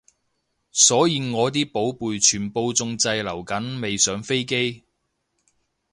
所以我啲寶貝全部仲滯留緊未上飛機